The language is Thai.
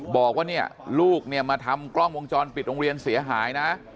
บอกว่าเนี่ยลูกเนี่ยมาทำกล้องวงจรปิดโรงเรียนเสียหายนะ